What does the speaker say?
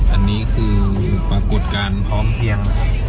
อันนี้คือปรากฏการณ์พร้อมเพียงนะครับ